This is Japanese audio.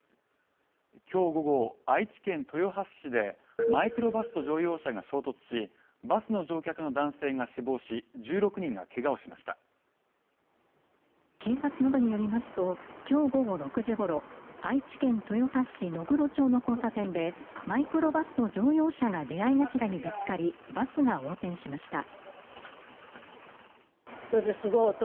今日午後愛知県豊橋市でマイクロバスと乗用車が衝突しバスの乗客の男性が死亡し１６人がけがをしました警察などによりますときょう午後６時ごろ愛知県豊橋市野黒町の交差点でマイクロバスと乗用車が出会い頭にぶつかりバスが横転しました